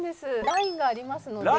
ラインがありますので。